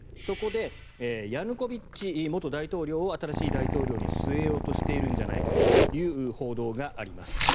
そこでヤヌコビッチ元大統領を新しい大統領に据えようとしているんじゃないかという報道があります。